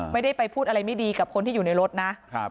ไม่ได้ไปพูดอะไรไม่ดีกับคนที่อยู่ในรถนะ